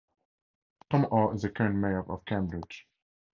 Tom Orr is the current Mayor of Cambridge.